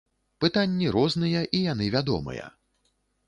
Пытанні розныя і яны вядомыя.